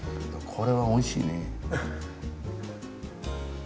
これはおいしいね。